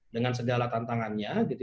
dengan segala tantangannya